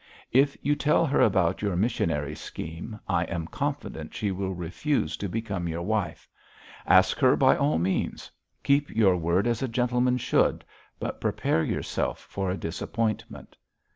If you tell her about your missionary scheme, I am confident she will refuse to become your wife. Ask her by all means; keep your word as a gentleman should; but prepare yourself for a disappointment.'